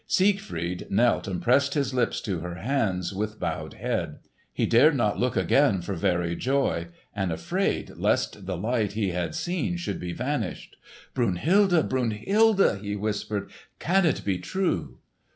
Siegfried knelt and pressed his lips to her hands, with bowed head. He dared not look again for very joy, and afraid lest the light he had seen should be vanished. "Brunhilde! Brunhilde!" he whispered. "Can it be true?"